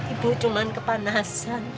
ibu cuma kepanasan